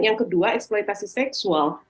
yang kedua eksploitasi seksual